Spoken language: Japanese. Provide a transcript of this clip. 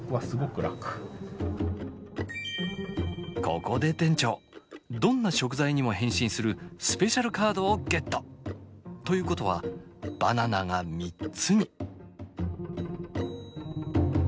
ここで店長どんな食材にも変身するスペシャルカードをゲット。ということはバナナが３つに。